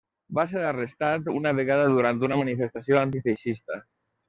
Va ser arrestat una vegada durant una manifestació antifeixista.